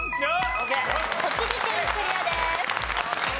栃木県クリアです。